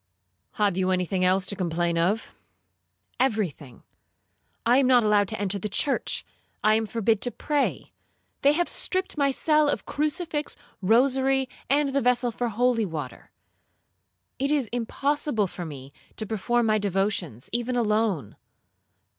'—'Have you any thing else to complain of?'—'Every thing; I am not allowed to enter the church,—I am forbid to pray,—they have stripped my cell of crucifix, rosary, and the vessel for holy water. It is impossible for me to perform my devotions even alone.'